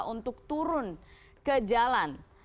untuk turun ke jalan